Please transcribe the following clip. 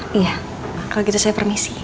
iya kalau gitu saya permisi